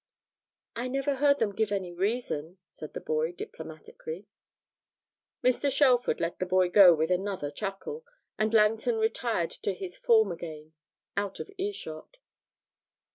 'I never heard them give any reason,' said the boy, diplomatically. Mr. Shelford let the boy go with another chuckle, and Langton retired to his form again out of earshot.